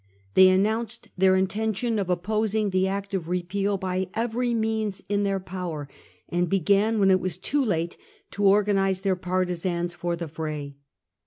They an nounced their intention of opposing the Act of Eepeal by every means in their power, and began, when it was too late, to organise their partisans for the fray.